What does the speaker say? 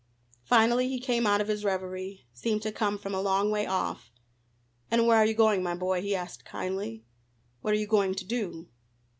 Finally he came out of his reverie; seemed to come from a long way off. "And where are you going, my boy?" he asked kindly. "What are you going to do?"